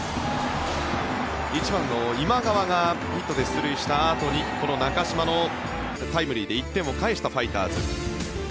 １番の今川がヒットで出塁したあとに１点を返したファイターズ。